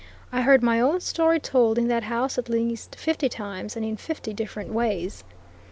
I heard my own story told in that house at least fifty times, and in fifty different ways.